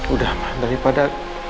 udah mah daripada